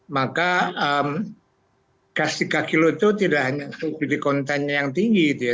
maka gas tiga kg itu tidak hanya subsidi kontennya yang tinggi gitu ya